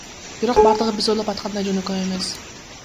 Бирок бардыгы биз ойлоп аткандай жөнөкөй эмес.